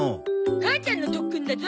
母ちゃんの特訓だゾ！